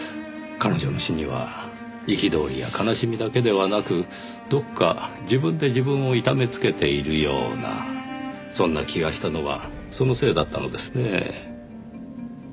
彼女の詩には憤りや悲しみだけではなくどこか自分で自分を痛めつけているようなそんな気がしたのはそのせいだったのですねぇ。